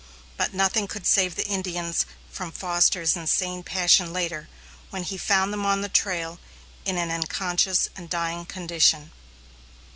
But nothing could save the Indians from Foster's insane passion later, when he found them on the trail in an unconscious and dying condition.